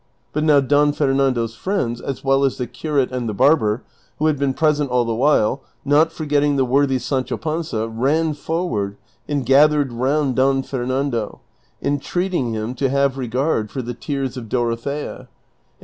But now Don Fernando's friends, as well as the curate and the barber, who had been present all the while, not forgetting the worthy Sancho Panza, ran forward and gathered round Don Fernando, entreating him to have regard for the tears of Dorothea, and 314 DON QUIXOTE.